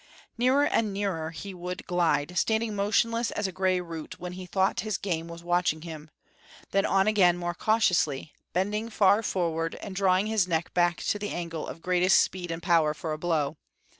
Nearer and nearer he would glide, standing motionless as a gray root when he thought his game was watching him; then on again more cautiously, bending far forward and drawing his neck back to the angle of greatest speed and power for a blow.